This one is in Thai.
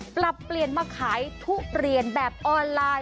ปรับเปลี่ยนมาขายทุเรียนแบบออนไลน์